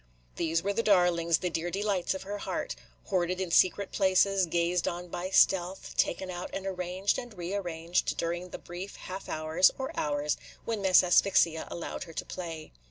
These were the darlings, the dear delights of her heart, – hoarded in secret places, gazed on by stealth, taken out and arranged and re arranged, during the brief half hours, or hours when Miss Asphyxia allowed her to play.